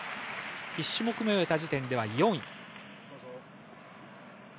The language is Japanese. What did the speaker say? １種目目を終えた時点で４位。